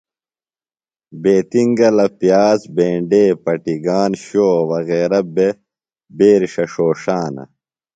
بیتِنگلہ، پِیاز بینڈے پٹِگان شوؤہ وغیرہ بےۡ بیرݜہ ݜوݜانہ۔